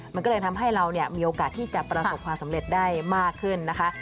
มันก็เลยทำให้เรามีโอกาสที่จะประสบความสำเร็จได้มากขึ้นนะคะ